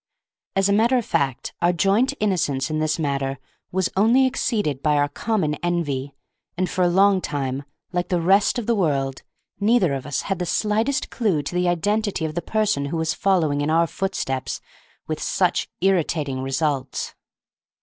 As a matter of fact, our joint innocence in this matter was only exceeded by our common envy, and for a long time, like the rest of the world, neither of us had the slightest clew to the identity of the person who was following in our steps with such irritating results.